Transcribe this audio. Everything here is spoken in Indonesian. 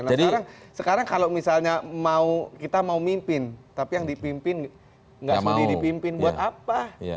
nah sekarang sekarang kalau misalnya mau kita mau mimpin tapi yang dipimpin nggak sendiri dipimpin buat apa